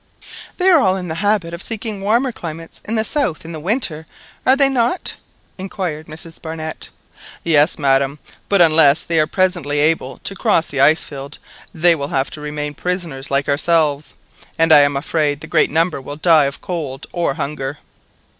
"They are all in the habit of seeking warmer climates in the south in the winter, are they not?" inquired Mrs Barnett. "Yes, madam, but unless they are presently able to cross the ice field, they will have to remain prisoners like ourselves, and I am afraid the greater number will die of cold or hunger.